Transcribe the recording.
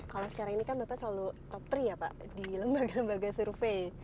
kalau sekarang ini kan bapak selalu top tiga ya pak di lembaga lembaga survei